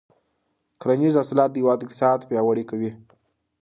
کرنیز حاصلات د هېواد اقتصاد پیاوړی کوي.